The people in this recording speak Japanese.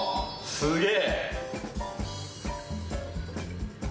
すげえ！